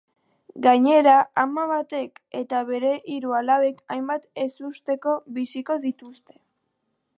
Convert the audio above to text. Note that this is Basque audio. Gainera, ama batek eta bere hiru alabek hainbat ezusteko biziko dituzte.